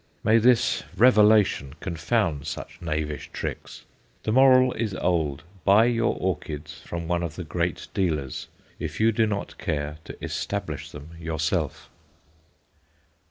May this revelation confound such knavish tricks! The moral is old buy your orchids from one of the great dealers, if you do not care to "establish" them yourself.